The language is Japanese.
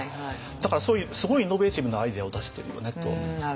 だからそういうすごいイノベーティブなアイデアを出してるよねと思いますね。